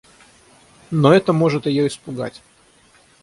Но это может её испугать.